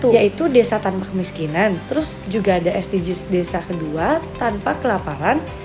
yaitu desa tanpa kemiskinan terus juga ada sdgs desa kedua tanpa kelaparan